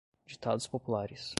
Ditados populares.